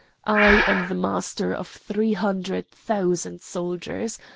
I am the master of three hundred thousand soldiers!